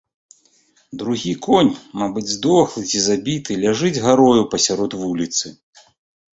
Другі конь, мабыць, здохлы ці забіты, ляжыць гарою пасярод вуліцы.